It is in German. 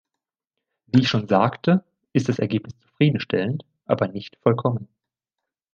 Wie ich schon sagte, ist das Ergebnis zufriedenstellend, aber nicht vollkommen.